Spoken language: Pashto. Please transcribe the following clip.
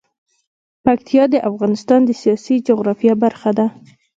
پکتیا د افغانستان د سیاسي جغرافیه برخه ده.